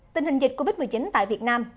tình hình dịch covid một mươi chín tại việt nam